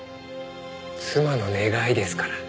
妻の願いですから。